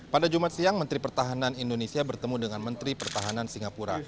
pada jumat siang menteri pertahanan indonesia bertemu dengan menteri pertahanan singapura